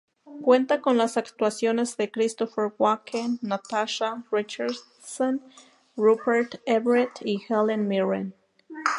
Cuenta con las actuaciones de Christopher Walken, Natasha Richardson, Rupert Everett y Helen Mirren.